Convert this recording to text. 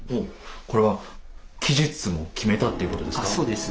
これは期日も決めたということですか？